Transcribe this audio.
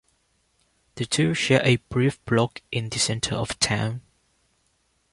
The two share a brief block in the center of town.